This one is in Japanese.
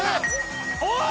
おい！